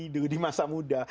dulu di masa muda